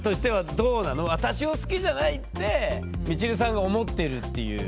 「私を好きじゃない」ってみちるさんが思ってるっていう。